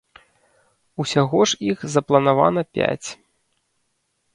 Усяго ж іх запланавана пяць.